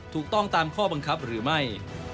ถูกต้องตามข้อบังคับหรือไม่